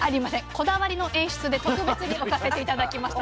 こだわりの演出で特別に置かせて頂きました。